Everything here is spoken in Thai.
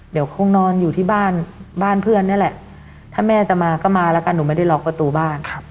เดี๋ยวคงนอนอยู่ที่บ้านบ้านเพื่อนนี่แหละถ้าแม่จะมาก็มาแล้วกันหนูไม่ได้ล็อกประตูบ้าน